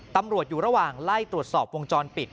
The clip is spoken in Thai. ตำรวจอยู่ระหว่างไล่ตรวจสอบวงจรปิด